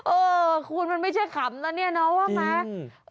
เออคุณมันไม่ใช่ขำนะเนี่ยน้องว่าไหม